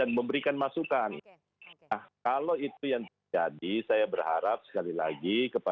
alasan utamanya apa sebetulnya